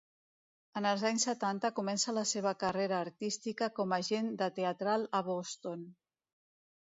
En els anys setanta comença la seva carrera artística com agent de teatral a Boston.